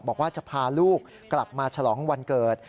บอกว่าจะพาลูกกลับมาฉลองวันเกิด